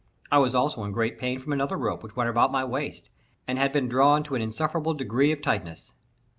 I was also in great pain from another rope which went about my waist, and had been drawn to an insufferable degree of tightness.